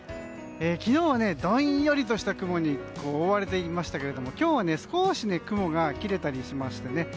昨日は、どんよりとした雲に覆われていましたけど今日は少し雲が切れたりしましたね。